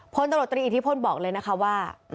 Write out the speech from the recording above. พลป์โดรธรีอีทธิโภนบอกเลยนะคะว่า